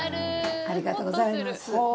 ありがとうございます。